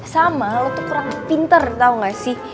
sama lo tuh kurang pinter tau gak sih